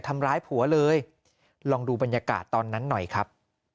ทำร้ายผัวเลยลองดูบรรยากาศตอนนั้นหน่อยครับ